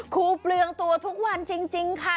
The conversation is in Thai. เปลืองตัวทุกวันจริงค่ะ